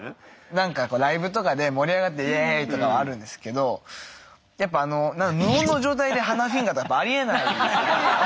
なんかライブとかで盛り上がって「イエーイ！」とかはあるんですけどやっぱ無音の状態で鼻フィンガーとかありえない。